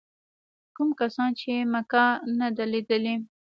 کوم کسان چې مکه نه ده لیدلې.